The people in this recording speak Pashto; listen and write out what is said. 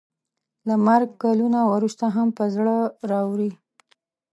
له مرګ کلونه وروسته هم په زړه راووري.